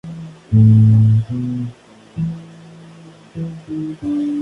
Asistió a la Universidad de Beijing y a la Universidad de Tsinghua.